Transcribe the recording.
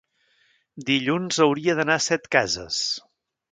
dilluns hauria d'anar a Setcases.